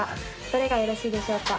どれがよろしいでしょうか？